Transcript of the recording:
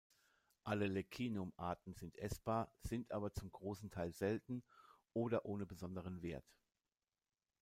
Alle "Leccinum"-Arten sind essbar, sind aber zum großen Teil selten oder ohne besonderen Wert.